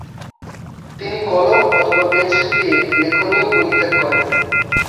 তিনি কলম অথবা পেন্সিল দিয়ে লেখনিও পরিত্যাগ করেন।